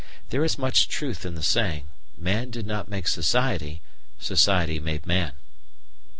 There is much truth in the saying: "Man did not make society, society made man."